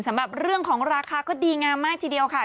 สำหรับเรื่องของราคาก็ดีงามมากทีเดียวค่ะ